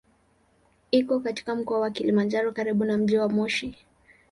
Iko katika Mkoa wa Kilimanjaro karibu na mji wa Moshi.